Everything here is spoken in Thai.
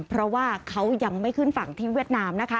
เพราะว่าเขายังไม่ขึ้นฝั่งที่เวียดนามนะคะ